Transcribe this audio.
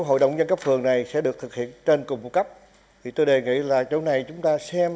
hội đồng nhân cấp phường này sẽ được thực hiện trên cùng phụ cấp thì tôi đề nghị là chỗ này chúng ta xem